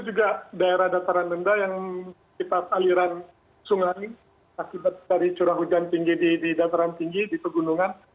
juga daerah dataran rendah yang kita aliran sungai akibat dari curah hujan tinggi di dataran tinggi di pegunungan